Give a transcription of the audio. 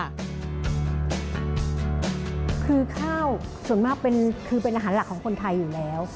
คือข้าวส่วนมากคือเป็นอาหารหลักของคนไทยอยู่แล้ว